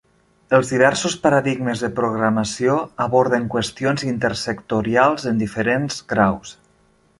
Els diversos paradigmes de programació aborden qüestions intersectorials en diferents graus.